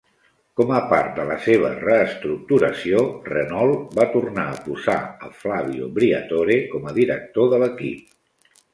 Com a part de la seva reestructuració, Renault va tornar a posar a Flavio Briatore com a director de l'equip.